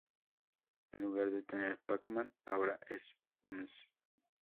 En lugar de tener Pac-Man, ahora es Ms.